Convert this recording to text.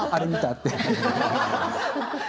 って。